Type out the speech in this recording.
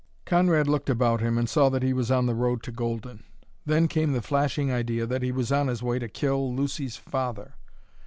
Conrad looked about him and saw that he was on the road to Golden. Then came the flashing idea that he was on his way to kill Lucy's father.